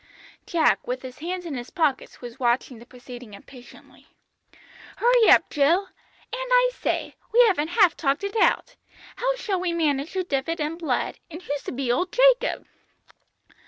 Jack with his hands in his pockets was watching the proceeding impatiently. "Hurry up, Jill and, I say! we haven't half talked it out. How shall we manage to dip it in blood, and who's to be old Jacob?"